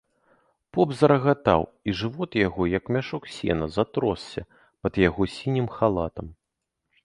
Поп зарагатаў, і жывот яго, як мяшок сена, затросся пад яго сінім халатам.